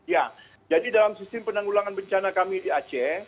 ya jadi dalam sistem penanggulangan bencana kami di aceh